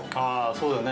そうだよね。